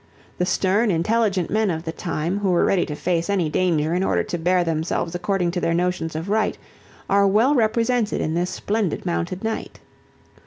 The stern, intelligent men of the time, who were ready to face any danger in order to bear themselves according to their notions of right, are well represented in this splendid mounted knight.